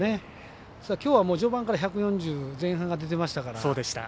きょうは序盤から１４０前半が出てましたから。